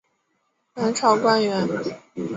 南朝官员。